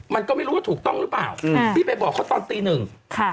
มันก็ไม่รู้ว่าถูกต้องหรือเปล่าอืมพี่ไปบอกเขาตอนตีหนึ่งค่ะ